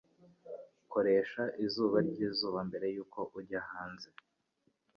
Koresha izuba ryizuba mbere yuko ujya hanze.